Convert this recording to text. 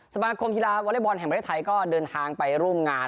สมาคมกีฬาวอเล็กบอลแห่งประเทศไทยก็เดินทางไปร่วมงาน